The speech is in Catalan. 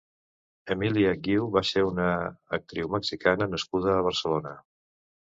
Emilia Guiú va ser una actriu mexicana nascuda a Barcelona.